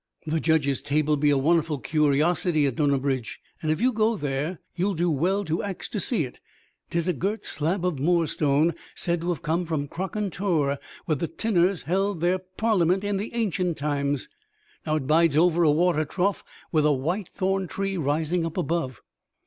"The Judge's Table" be a wonnerful curiosity at Dunnabridge, and if you go there you'll do well to ax to see it. 'Tis a gert slab of moorstone said to have come from Crokern Torr, where the tinners held theer parliament in the ancient times. Now it bides over a water trough with a white thorn tree rising up above.